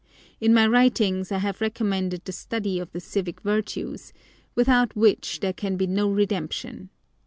In my writings I have recommended the study of the civic virtues, without which there can be no redemption.